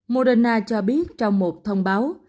moderna cho biết trong một thông báo